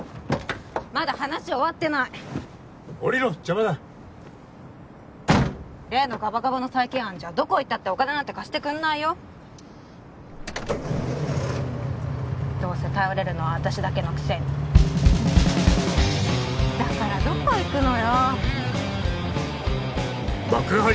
まだ話終わってない降りろ邪魔だ例のガバガバの再建案じゃどこ行ったってお金なんて貸してくんないよどうせ頼れるのは私だけのくせにだからどこ行くのよ幕張